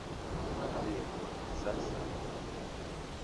Mji ni wa kisasa.